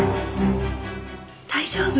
大丈夫。